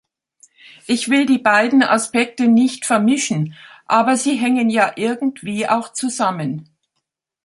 Ich will die beiden Aspekte nicht vermischen, aber sie hängen ja irgendwie auch zusammen.